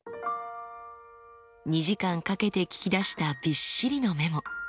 ２時間かけて聞き出したびっしりのメモ。